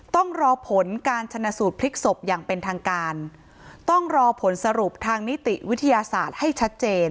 ต้องรอผลการชนะสูตรพลิกศพอย่างเป็นทางการต้องรอผลสรุปทางนิติวิทยาศาสตร์ให้ชัดเจน